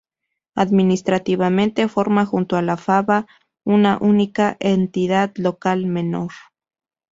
Administrativamente, forma, junto a La Faba, una única Entidad Local Menor.